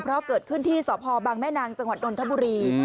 เพราะเกิดขึ้นที่สพบังแม่นางจังหวัดนทบุรี